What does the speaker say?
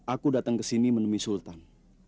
aku datang ke sini menemui sultan